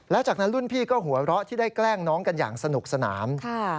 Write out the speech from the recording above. แล้วจากนั้นรุ่นพี่ก็หัวเราะที่ได้แกล้งน้องกันอย่างสนุกสนาน